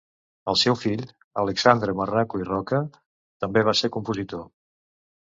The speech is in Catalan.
El seu fill, Alexandre Marraco i Roca també va ser compositor.